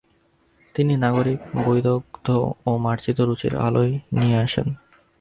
তিনি নাগরিক বৈদগ্ধ ও মার্জিত রুচির আলোয় নিয়ে আসেন।